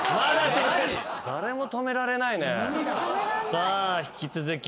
さあ引き続き。